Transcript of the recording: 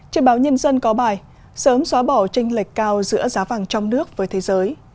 trên báo nhân dân có bài sớm xóa bỏ tranh lệch cao giữa giá vàng trong nước với thế giới